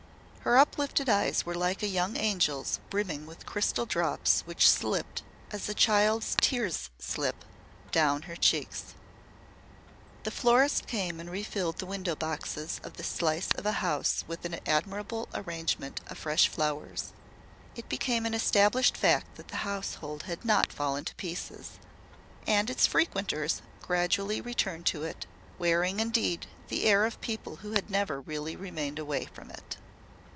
Her uplifted eyes were like a young angel's brimming with crystal drops which slipped as a child's tears slip down her cheeks. The florist came and refilled the window boxes of the slice of a house with an admirable arrangement of fresh flowers. It became an established fact that the household had not fallen to pieces, and its frequenters gradually returned to it, wearing, indeed, the air of people who had never really remained away from it.